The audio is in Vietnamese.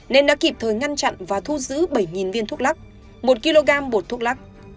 nên đã kịp thời ngăn chặn và thu giữ bảy viên thuốc lắc một kg bột thuốc lắc